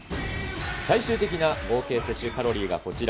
最終的な合計摂取カロリーがこちら。